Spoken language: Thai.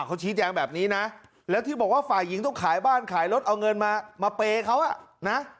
เขาชี้แจงแบบนี้นะแล้วที่บอกว่าฝ่ายหญิงต้องขายบ้านขายรถเอาเงินมามาเปย์เขาอ่ะนะ